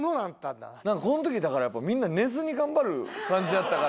この時だからやっぱりみんな寝ずに頑張る感じやったから。